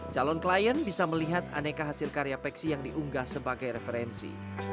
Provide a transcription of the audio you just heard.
calon klien bisa melihat aneka hasil karya peksi yang diunggah sebagai referensi